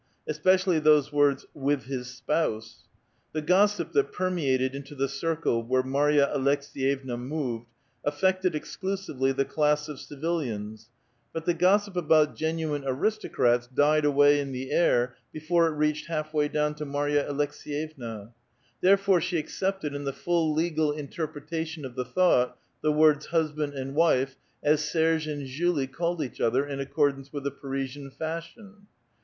especially those words '' with his spouse" ! The gossip that permeated into the circle where Marya Aleks^yevna moved, affected exclusively the class of civilians, but the gossip about genuine aristocrats died away in the air before it reached half way down to Marya Aleks^yevna; therefore she accepted in the full legal interpretation of the thought the words husband and wife, as Serge and Julie called each other, in accordance with the Paiisian fashion.